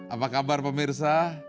apa kabar pemirsa